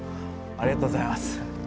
ありがとうございます。